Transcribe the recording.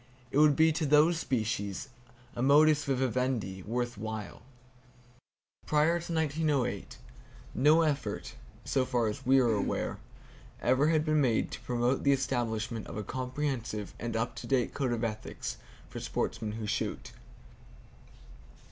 It would be to those species a modus vivendi worth while. Prior to 1908, no effort (so far as we are aware) ever had been made to promote the establishment of a comprehensive and up to date code of ethics for sportsmen who shoot.